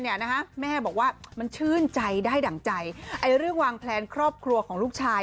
เนี่ยนะคะแม่บอกว่ามันชื่นใจได้ดั่งใจไอ้เรื่องวางแพลนครอบครัวของลูกชาย